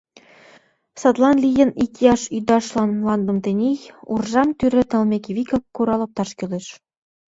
Садлан лийын, икияш ӱдашлан мландым тений, уржам тӱред налмеке вигак, курал опташ кӱлеш.